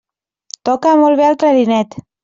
Toca molt bé el clarinet.